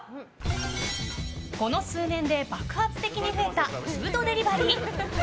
この数年で爆発的に増えたフードデリバリー。